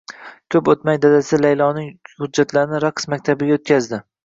Ko`p o`tmay dadasi Layloning hujjatlarini raqs maktabiga o`tqazdi